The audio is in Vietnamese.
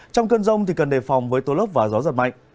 trong cơn rông thì cần đề phòng với tố lấp và gió giật mạnh